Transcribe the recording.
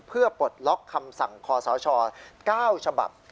เพื่อบรรทิการหลอกคำสั่งคศ๙ฉบับ